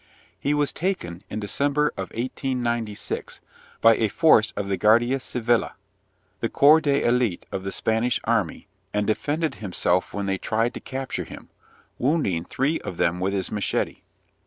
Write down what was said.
He was taken, in December of 1896, by a force of the Guardia Civile, the corps d'elite of the Spanish army, and defended himself when they tried to capture him, wounding three of them with his machete.